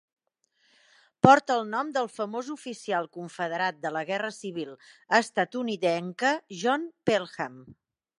Porta el nom del famós oficial confederat de la guerra civil estatunidenca John Pelham.